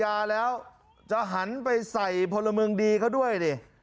ยาแล้วจะหันไปใส่พลเมืองดีเขาด้วยดิ